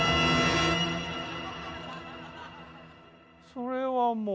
それはもう。